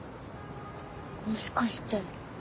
もしかして。